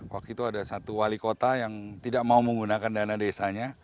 waktu itu ada satu wali kota yang tidak mau menggunakan dana desanya